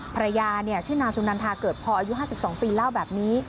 ภรรยาชื่อนางสุนันทาเกิดพออายุ๕๒ปีเล่าแบบนี้